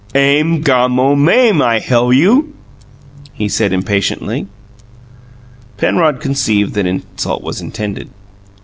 "Aim GOMMO mame, I hell you," he said impatiently. Penrod conceived that insult was intended.